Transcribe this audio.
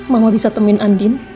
mama bisa temuin andin